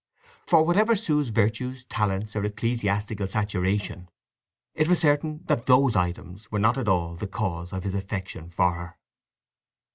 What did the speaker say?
For whatever Sue's virtues, talents, or ecclesiastical saturation, it was certain that those items were not at all the cause of his affection for her.